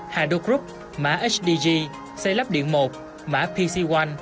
hado group mã hdg xây lắp điện một mã pc một